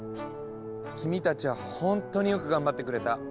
君たちはほんとによく頑張ってくれた。